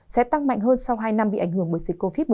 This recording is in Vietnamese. sẽ tăng mạnh hơn sau hai năm bị ảnh hưởng bởi dịch covid một mươi